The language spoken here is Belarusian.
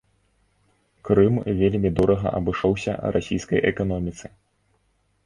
Крым вельмі дорага абышоўся расійскай эканоміцы.